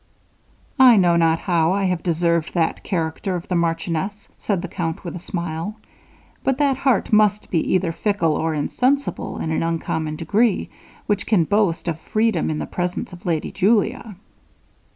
'I know not how I have deserved that character of the marchioness,' said the count with a smile, 'but that heart must be either fickle or insensible in an uncommon degree, which can boast of freedom in the presence of lady Julia.'